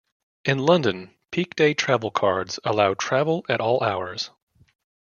In London, Peak Day Travelcards allow travel at all hours.